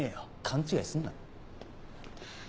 勘違いすんな。